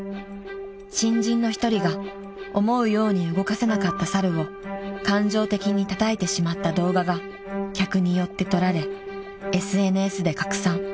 ［新人の一人が思うように動かせなかった猿を感情的にたたいてしまった動画が客によって撮られＳＮＳで拡散］